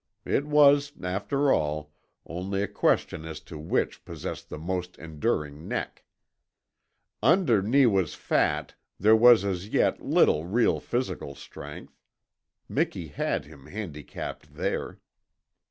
It was, after all, only a question as to which possessed the most enduring neck. Under Neewa's fat there was as yet little real physical strength. Miki had him handicapped there.